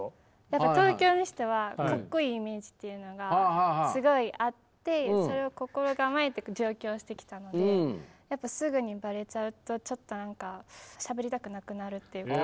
やっぱ東京の人はかっこいいイメージというのがすごいあってそれを心構えて上京してきたのでやっぱすぐにバレちゃうとちょっと何かしゃべりたくなくなるっていうか。